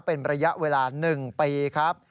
เป็นระยะเวลา๑ปีครับ